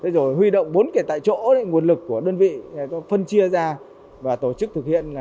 rồi huy động bốn kẻ tại chỗ nguồn lực của đơn vị phân chia ra và tổ chức thực hiện